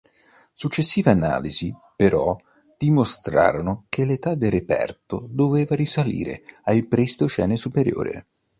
Successive analisi, però, dimostrarono che l'età del reperto doveva risalire al Pleistocene superiore.